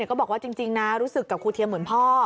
ก็บอกว่าจริงนะรู้สึกกับครูเทียมเหมือนพ่อ